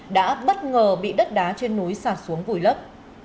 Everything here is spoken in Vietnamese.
đã bất ngờ bị đất đá trên núi sạt xuống vùi lấp